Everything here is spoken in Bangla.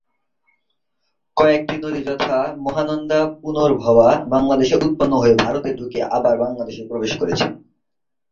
কয়েকটি নদী যথা- মহানন্দা, পুনর্ভবা বাংলাদেশে উৎপন্ন হয়ে ভারতে ঢুকে আবার বাংলাদেশে প্রবেশ করেছে।